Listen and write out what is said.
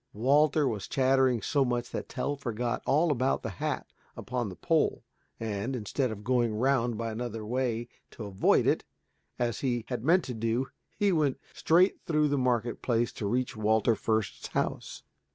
Walter was chattering so much that Tell forgot all about the hat upon the pole, and, instead of going round by another way to avoid it, as he had meant to do, he went straight through the market place to reach Walter Fürst's house.